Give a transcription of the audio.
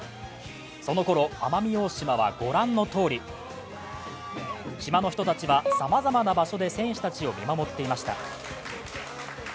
そのころ、奄美大島はご覧のとおり島の人たちはさまざまな場所で選手たちを見守っていました。